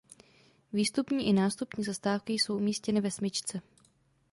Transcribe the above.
Výstupní i nástupní zastávky jsou umístěny ve smyčce.